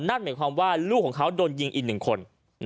นั่นหมายความว่าลูกของเขาโดนยิงอีกหนึ่งคน